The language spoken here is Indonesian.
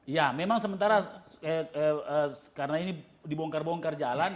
ya memang sementara karena ini dibongkar bongkar jalan